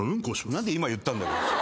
何で今言ったんだ。